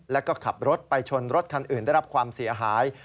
แล้วก็ขับรถไปชนรถคันอื่นได้รับความเสียหาย